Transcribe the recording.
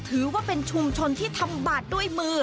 ถือว่าเป็นชุมชนที่ทำบาดด้วยมือ